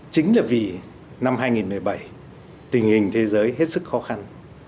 chính là vì năm hai nghìn một mươi bảy tình hình thế giới hết sức khó khăn